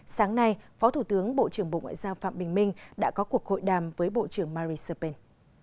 sáng nay phó thủ tướng bộ trưởng bộ ngoại giao phạm bình minh đã có cuộc hội đàm với bộ trưởng mary serpen